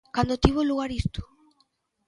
Cando tivo lugar isto?